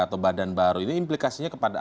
atau badan baru ini implikasinya kepada